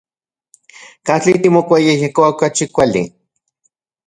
¿Katli timokuayejkoua okachi kuali?